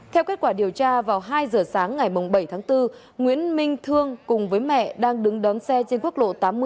theo kết quả điều tra vào hai giờ sáng ngày bảy tháng bốn nguyễn minh thương cùng với mẹ đang đứng đón xe trên quốc lộ tám mươi